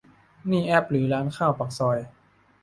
นี่แอปหรือร้านข้าวปากซอย